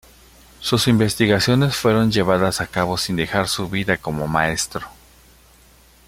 Sus investigaciones fueron llevadas a cabo sin dejar su vida como maestro.